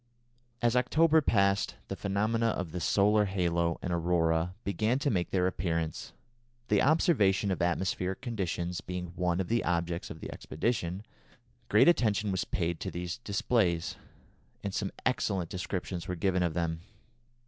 As October passed the phenomena of the solar halo and aurora began to make their appearance. The observation of atmospheric conditions being one of the objects of the expedition, great attention was paid to these displays, and some excellent descriptions were given of them.